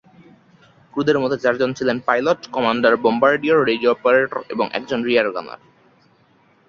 ক্রুদের মধ্যে চারজন ছিলেন: পাইলট, কমান্ডার-বোম্বার্ডিয়ার, রেডিও অপারেটর এবং একজন রিয়ার গানার।